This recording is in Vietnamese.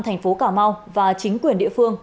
thành phố cà mau và chính quyền địa phương